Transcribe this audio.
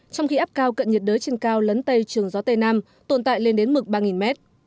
trong khi áp cao cận nhiệt đới trên cao lấn tây trường gió tây nam tồn tại lên đến mực ba m